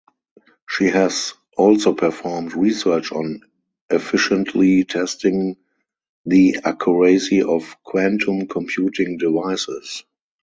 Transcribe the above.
She has also performed research on efficiently testing the accuracy of quantum computing devices.